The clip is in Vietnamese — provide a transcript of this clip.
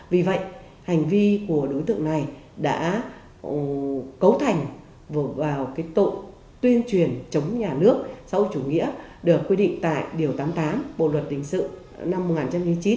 vì vậy hành vi của đối tượng này đã cấu thành vào cái tội tuyên truyền chống nhà nước xã hội chủ nghĩa được quy định tại điều tám mươi tám bộ luật hình sự năm một nghìn chín trăm chín mươi chín